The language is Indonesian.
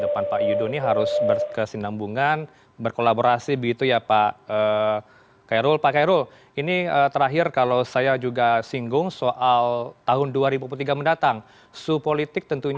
yang dilakukan oleh seorang panglima tni